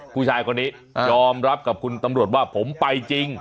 ผู้ชายคนนี้ยอมรับกับคุณตำรวจว่าผมไปจริง